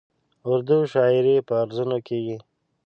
اردو شاعري پر عروضو کېږي.